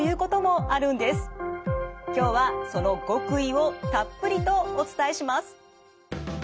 今日はその極意をたっぷりとお伝えします。